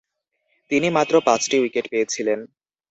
তিনি মাত্র পাঁচটি উইকেট পেয়েছিলেন।